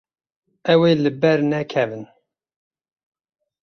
Ew ê li ber nekevin.